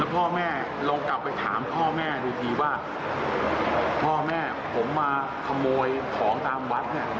พ่อแม่ลองกลับไปถามพ่อแม่ดูทีว่าพ่อแม่ผมมาขโมยของตามวัดเนี่ย